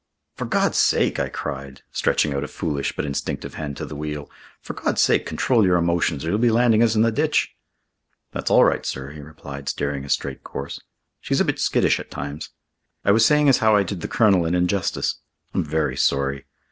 "For God's sake," I cried, stretching out a foolish but instinctive hand to the wheel, "for God's sake, control your emotions, or you'll be landing us in the ditch." "That's all right, sir," he replied, steering a straight course. "She's a bit skittish at times. I was saying as how I did the Colonel an injustice. I'm very sorry.